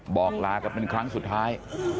บอกลากันเป็นครั้งสุดท้าย